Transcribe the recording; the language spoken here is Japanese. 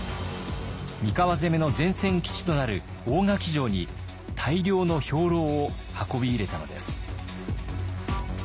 三河攻めの前線基地となる大垣城に大量の兵糧を運び入れたのです。